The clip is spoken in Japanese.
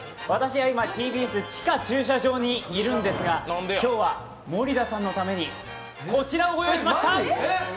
私は今、ＴＢＳ地下駐車場にいるんですが、今日は森田さんのためにこちらをご用意しました！